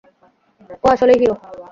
ও আসলেই হিরো।